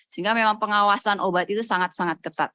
sehingga memang pengawasan obat itu sangat sangat ketat